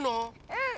うん！